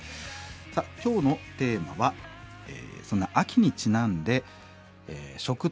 さあ今日のテーマはそんな秋にちなんで食ということでですね